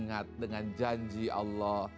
ingat dengan janji allah